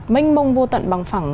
mênh mông vô tận bằng phẳng